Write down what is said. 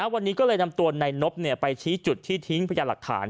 วันนี้ก็เลยนำตัวนายนบไปชี้จุดที่ทิ้งพยานหลักฐาน